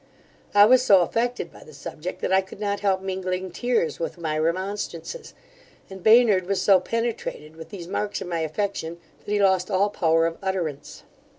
I was so affected by the subject, that I could not help mingling tears with my remonstrances, and Baynard was so penetrated with these marks of my affection, that he lost all power of utterance.